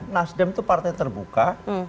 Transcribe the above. nasdem itu partai terbuka